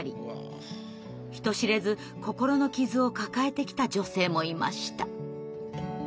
人知れず心の傷を抱えてきた女性もいました。